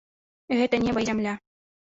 Гэта неба і зямля.